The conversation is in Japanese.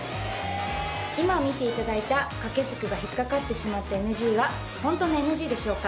今見ていただいた掛け軸が引っかかってしまったＮＧはホントのＮＧでしょうか？